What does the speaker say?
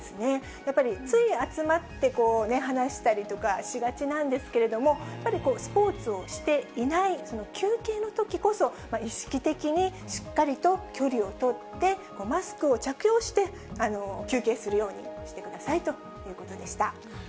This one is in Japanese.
やっぱりつい集まって話したりとかしがちなんですけれども、スポーツをしていない休憩のときこそ、意識的にしっかりと距離を取って、マスクを着用して休憩するようにしてくださいということでした。